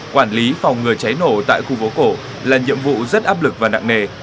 quản lý phòng ngừa cháy nổ tại khu phố cổ là nhiệm vụ rất áp lực và nặng nề